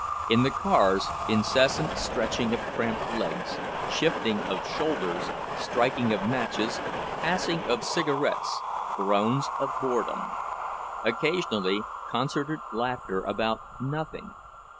In the cars, incessant stretching of cramped legs, shifting of shoulders, striking of matches, passing of cigarettes, groans of boredom; occasionally concerted laughter about nothing.